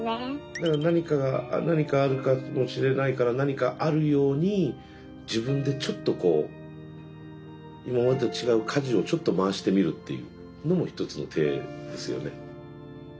だから何かが何かあるかもしれないから何かあるように自分でちょっとこう今までと違うかじをちょっと回してみるっていうのも一つの手ですよね。